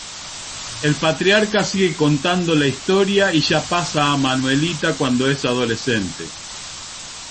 El Patriarca sigue contando la historia y ya pasa a Manuelita cuando es adolescente.